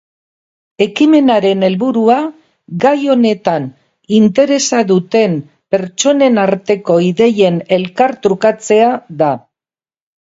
Ekimenaren helburua gai honetan interesa duten pertsonen arteko ideien elkartrukatzea da.